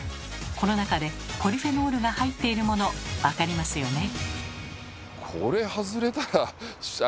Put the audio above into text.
この中でポリフェノールが入っているもの分かりますよね？